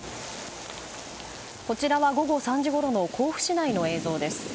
こちらは午後３時ごろの甲府市内の映像です。